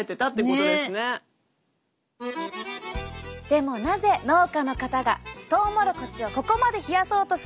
でもなぜ農家の方がトウモロコシをここまで冷やそうとするのか。